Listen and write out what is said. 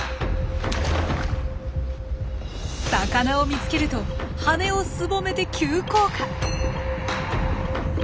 魚を見つけると羽をすぼめて急降下！